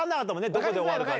どこで終わるか。